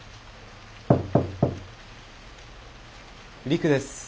陸です。